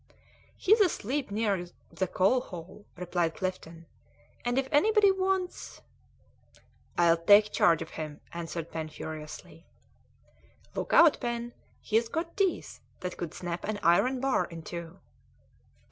"He's asleep near the coalhole," replied Clifton, "and if anybody wants " "I'll take charge of him," answered Pen furiously. "Look out, Pen, he's got teeth that could snap an iron bar in two."